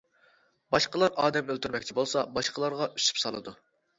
باشقىلار ئادەم ئۆلتۈرمەكچى بولسا باشقىلارغا ئۈسۈپ سالىدۇ.